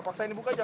paksain dibuka aja